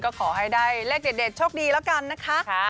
ก็ขอให้ได้เลขเด็ดโชคดีแล้วกันนะคะ